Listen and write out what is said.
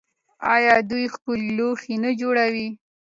آیا دوی ښکلي لوښي نه جوړوي؟